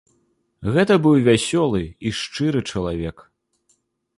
Гэта быў вясёлы і шчыры чалавек.